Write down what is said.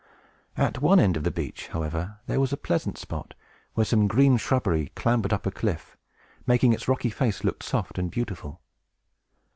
At one end of the beach, however, there was a pleasant spot, where some green shrubbery clambered up a cliff, making its rocky face look soft and beautiful.